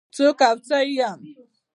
څوک او څه يم؟